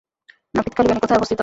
Napitkhali valley কোথায় অবস্থিত?